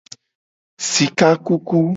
Sika kuku.